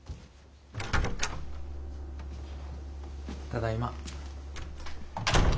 ただいま。